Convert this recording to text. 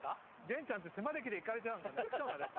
源ちゃんって手招きで行かれちゃうんだ。